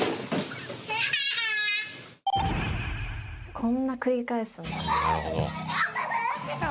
こんな繰り返すんだ。